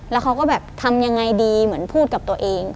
แล้วเขาก็แบบทำยังไงดีเหมือนพูดกับตัวเอง